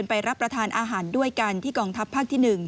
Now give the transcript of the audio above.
รับประทานอาหารด้วยกันที่กองทัพภาคที่๑